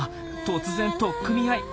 突然取っ組み合い。